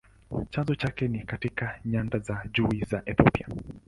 Chanzo chake ni katika nyanda za juu za Ethiopia.